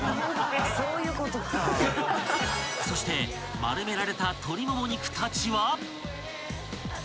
［そして丸められた鶏もも肉たちは］